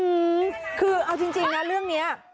อืมคือเอาจริงนะเรื่องนี้